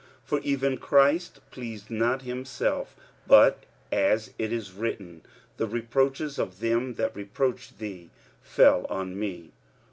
45:015:003 For even Christ pleased not himself; but, as it is written, The reproaches of them that reproached thee fell on me.